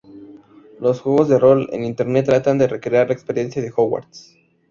Los juegos de rol en Internet tratan de recrear la experiencia de Hogwarts.